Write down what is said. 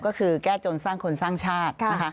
ก็คือแก้จนสร้างคนสร้างชาตินะคะ